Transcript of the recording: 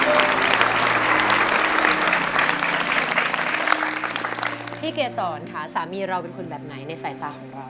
อเรนนี่ส์พี่เกษรค่ะสามีเราเป็นคนแบบไหนในสายตาของเรา